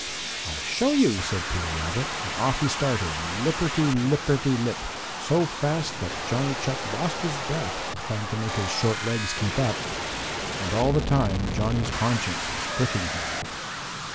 "I'll show you," said Peter Rabbit, and off he started, lipperty lipperty lip, so fast that Johnny Chuck lost his breath trying to make his short legs keep up. And all the time Johnny's conscience was pricking him.